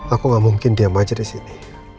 aku gak mungkin diam aja di sini